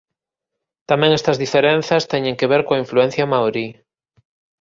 Tamén estas diferenzas teñen que ver coa influencia maorí.